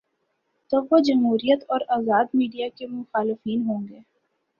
تو وہ جمہوریت اور آزاد میڈیا کے مخالفین ہو ں گے۔